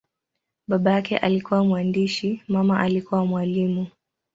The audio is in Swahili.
Baba yake alikuwa mwandishi, mama alikuwa mwalimu.